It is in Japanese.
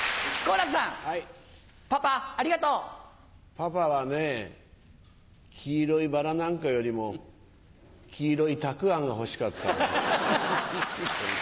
パパはね黄色いバラなんかよりも黄色いたくあんが欲しかった。